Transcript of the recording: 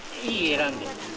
選んで。